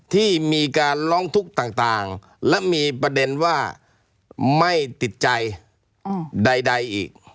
ที่มีการร้องทุกข์ต่างและมีประเด็นว่าไม่ติดใจใดอีก